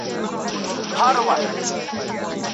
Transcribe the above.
مثبت خلګ زموږ په پرمختګ اغېز لري.